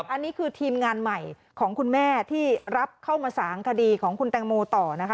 อันนี้คือทีมงานใหม่ของคุณแม่ที่รับเข้ามาสางคดีของคุณแตงโมต่อนะคะ